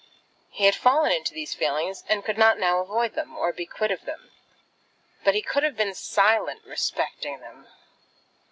He had fallen into these feelings and could not now avoid them, or be quit of them; but he could have been silent respecting them.